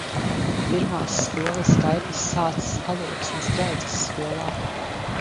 Pirmās skolas gaitas sācis Alūksnes draudzes skolā.